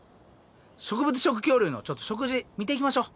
植物食恐竜のちょっと食事見ていきましょう。